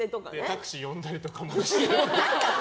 タクシー呼んだりとかもして？